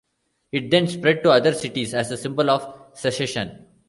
It then spread to other cities as a symbol of secession.